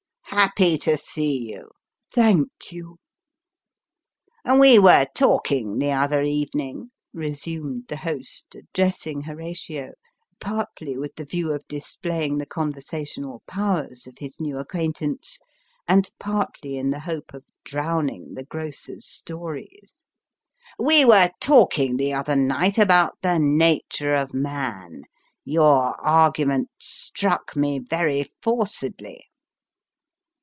" Happy to see you." " Thank you." " We were talking the other evening," resumed the host, addressing Horatio, partly with the view of displaying the conversational powers of his new acquaintance, and partly in the hope of drowning the grocer's stories " we were talking the other night about the nature of man. Your argument struck me very forcibly."